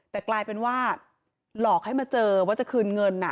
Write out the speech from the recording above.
แต่กลายเป็นว่าหลอกให้มาเจอว่าจะคืนเงิน